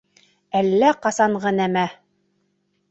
Әллә ҡасанғы нәмә.